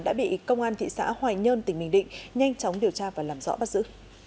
đã bị công an thị xã hoài nhơn tỉnh bình định nhanh chóng điều tra và làm rõ bắt giữ